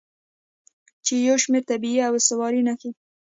چې یو شمیر طبیعي او اسطوروي نښې